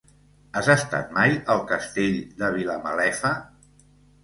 Has estat mai al Castell de Vilamalefa?